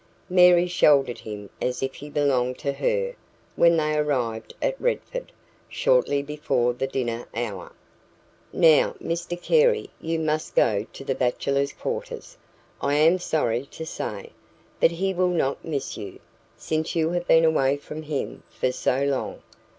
Mary shouldered him as if he belonged to her when they arrived at Redford, shortly before the dinner hour. "Now, Mr Carey, you must go to the bachelors' quarters, I am sorry to say; but he will not miss you, since you have been away from him for so long.